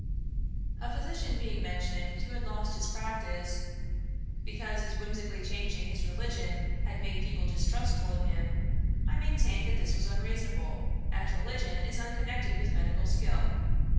A physician being mentioned who had lost his practice, because his whimsically changing his religion had made people distrustful of him, I maintained that this was unreasonable, as religion is unconnected with medical skill.